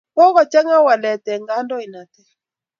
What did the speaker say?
Kokochang'a walet eng' kandoinatet.